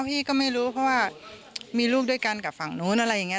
พี่ก็ไม่รู้เพราะว่ามีลูกด้วยกันกับฝั่งนู้นอะไรอย่างนี้